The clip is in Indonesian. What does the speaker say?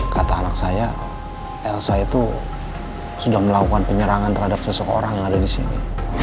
kata anak saya elsa itu sudah melakukan penyerangan terhadap seseorang yang ada di sini